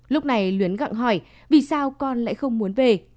lúc này luyến gặng hỏi vì sao con lại không muốn về